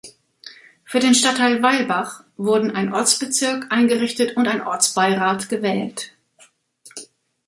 Für den Stadtteil Weilbach wurden ein Ortsbezirk eingerichtet und ein Ortsbeirat gewählt.